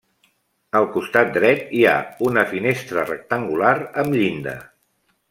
Al costat dret hi ha una finestra rectangular amb llinda.